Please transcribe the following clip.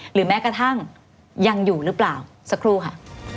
หรือแม้กระทั่งยังอยู่หรือเปล่าสักครู่ค่ะ